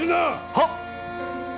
はっ！